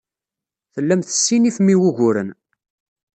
Tellam tessinifem i wuguren.